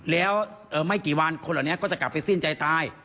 แล้วไม่กี่วันคนเหล่านี้ก็จะกลับไปสิ้นใจตาย